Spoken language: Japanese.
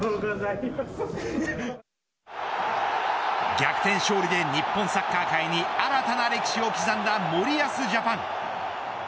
逆転勝利で日本サッカー界に新たな歴史を刻んだ森保ジャパン。